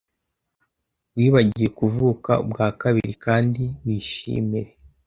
wibagiwe kuvuka ubwa kabiri kandi wishimire